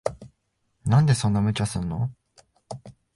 なんでそんな無茶すんの。